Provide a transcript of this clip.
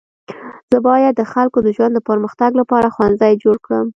زه باید د خلکو د ژوند د پرمختګ لپاره ښوونځی جوړه کړم.